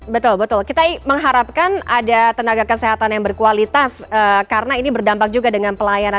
betul betul kita mengharapkan ada tenaga kesehatan yang berkualitas karena ini berdampak juga dengan pelayanan